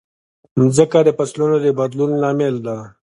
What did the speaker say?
مځکه د فصلونو د بدلون لامل ده.